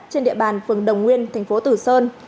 trên địa bàn phường đồng nguyên tp tử sơn